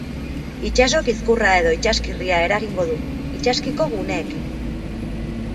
Itsaso kizkurra edo itsaskirria eragingo du, itsaskiko guneekin.